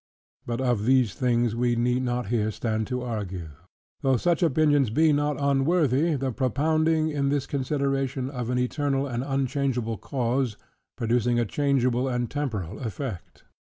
But of these things we need not here stand to argue; though such opinions be not unworthy the propounding, in this consideration, of an eternal and unchangeable cause, producing a changeable and temporal effect.